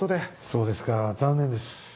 そうですか残念です。